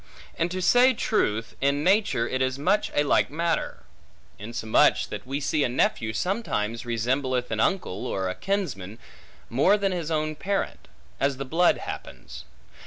And, to say truth, in nature it is much a like matter; insomuch that we see a nephew sometimes resembleth an uncle, or a kinsman, more than his own parent; as the blood happens.